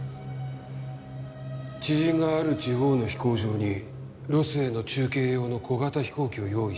知人がある地方の飛行場にロスへの中継用の小型飛行機を用意してくれた。